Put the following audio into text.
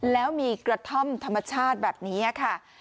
แล้วมีกระท่อมธรรมชาติแบบนี้ค่ะ